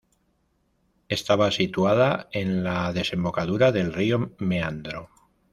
Estaba situada en la desembocadura del río Meandro.